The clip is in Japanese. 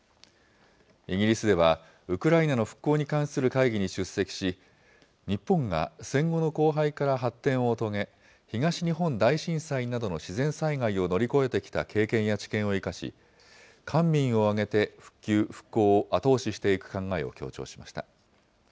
イギリスではウクライナの復興に関する会議に出席し、日本が戦後の荒廃から発展を遂げ、東日本大震災などの自然災害を乗り越えてきた経験や知見を生かし、官民を挙げて復旧・復興を後押ししていく考えを強調しました。